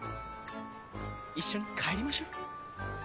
一緒に帰りましょう。